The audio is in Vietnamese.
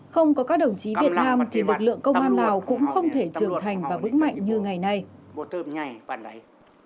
không có các đồng chí việt nam thì lực lượng công an lào cũng không thể trưởng thành và vững mạnh như ngày nay